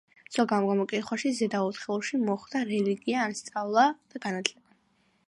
ზოგ გამოკითხვაში ზედა ოთხეულში მოხვდა რელიგია, ან სწავლა-განათლება.